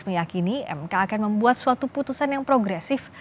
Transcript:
meyakini mk akan membuat suatu putusan yang progresif